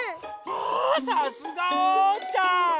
あさすがおうちゃん！